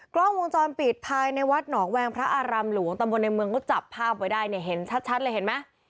กล้องวงจรปิดภายในวัดหนองแวงพระอารามหลวงตำบลในเมืองก็จับภาพไว้ได้เนี่ยเห็นชัดเลยเห็นไหม